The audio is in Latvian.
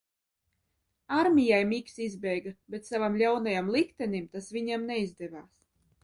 Armijai Miks izbēga, bet savam ļaunajam liktenim tas viņam neizdevās.